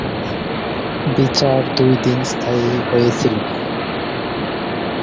বিচার দুই দিন স্থায়ী হয়েছিল।